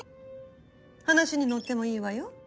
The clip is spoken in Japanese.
話に乗ってもいいわよ。